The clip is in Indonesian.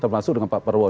termasuk dengan pak prabowo